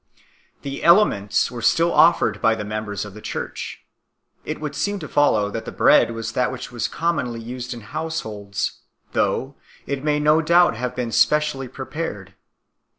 The Elements were still offered by the members of the Church. It would seem to follow that the bread was that which was commonly used in households, though it may no doubt have been specially prepared.